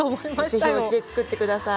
是非おうちで作って下さい。